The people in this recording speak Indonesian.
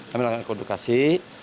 kami lakukan edukasi